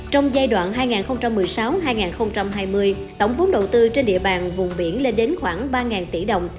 trong giai đoạn hai nghìn một mươi sáu hai nghìn hai mươi tổng vốn đầu tư trên địa bàn vùng biển lên đến khoảng ba tỷ đồng